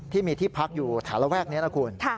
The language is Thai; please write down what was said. ที่มีที่พักอยู่ฐานระแวกนี้นะคุณ